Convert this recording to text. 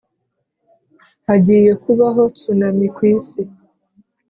hagiye kubaho tsunami kw,isi